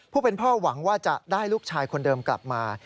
ผู้เป็นพ่อหวังว่าจะได้ลูกชายคนเดิมกลับมา